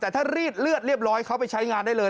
แต่ถ้ารีดเลือดเรียบร้อยเขาไปใช้งานได้เลย